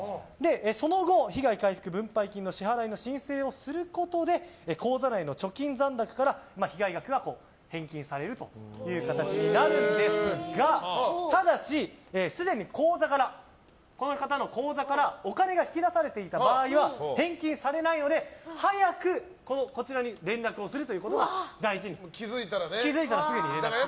その後、被害回復分配金の支払いの申請をすることで口座内の預金残高から被害額が返金されるという形なんですがただし、すでに口座からお金が引き出されていた場合は返金されないので早くこちらに連絡することが大事になるということです。